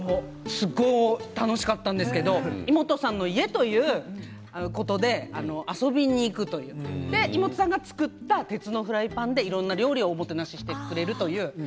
すごい楽しかったですけどイモトさんの家ということで遊びに行くというそれでイモトさんが作った鉄のフライパンでいろんな料理をおもてなししてくれるという。